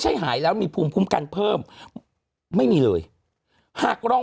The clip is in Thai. ใช่หายแล้วมีภูมิคุ้มกันเพิ่มไม่มีเลยหากรอง